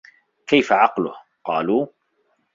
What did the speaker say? كَيْفَ عَقْلُهُ ؟ قَالُوا